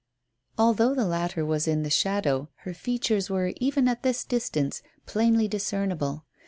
Although the latter was in the shadow her features were, even at this distance, plainly discernible.